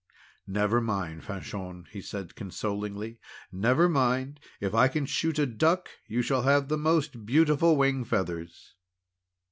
"Never mind, Fanchon!" said he consolingly. "Never mind, if I can shoot a duck, you shall have the most beautiful wing feathers."